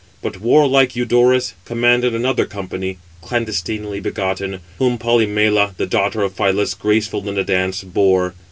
But warlike Eudorus commanded another [company], clandestinely begotten, whom Polymela, the daughter of Phylas, graceful in the dance, bore.